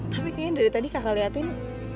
tapi kayaknya dari tadi kakak lihatin